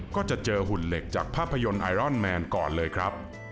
ก็จะเจอหุ่นเหล็กจากภาพยนตร์ไอรอนแมนก่อนเลยครับ